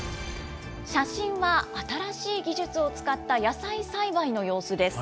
写真は新しい技術を使った野菜栽培の様子です。